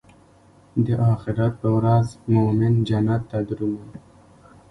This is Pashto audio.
د اخرت پر ورځ مومن جنت ته درومي.